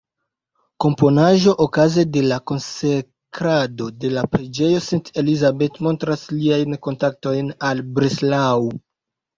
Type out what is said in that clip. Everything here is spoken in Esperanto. Komponaĵo okaze de la konsekrado de la preĝejo St.-Elisabeth montras liajn kontaktojn al Breslau.